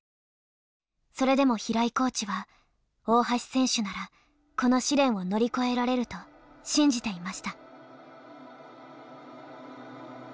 それでも平井コーチは大橋選手ならこの試練を乗り越えられると信じていました。